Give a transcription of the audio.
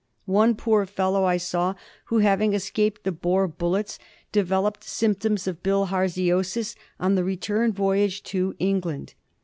One poor fellow I saw who, having escaped the Boer bullets, developed symptoms of bilharziosis on the return voyage to Eng land.